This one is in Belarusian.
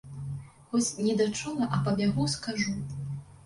Хоць недачула, а пабягу скажу.